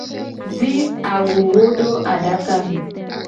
Zi awuwo do adaka me.